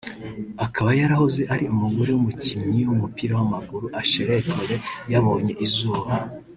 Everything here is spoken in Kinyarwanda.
akaba yarahoze ari umugore w’umukinnyi w’umupira w’amaguru Ashley Cole yabonye izuba